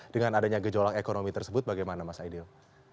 dengan adanya gejolak ekonomi tersebut bagaimana mas aidil